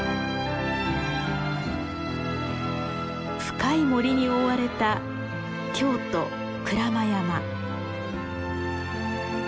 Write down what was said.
深い森に覆われた京都鞍馬山。